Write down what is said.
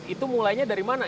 itu mulainya dari mana